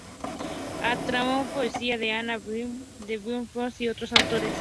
Ha traducido poesía de Anna Ajmátova, de Dylan Thomas y otros autores.